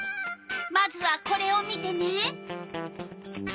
まずはこれを見てね。